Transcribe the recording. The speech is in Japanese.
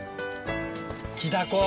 キダコ。